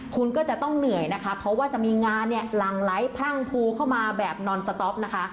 คุณก็จะต้องเหนื่อยนะคะเพราะว่าจะมีงานเนี่ยหลั่งไหลพรั่งพูเข้ามาแบบนอนสต๊อปนะคะ